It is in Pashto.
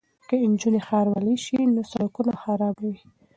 که نجونې ښاروالې شي نو سړکونه به خراب نه وي.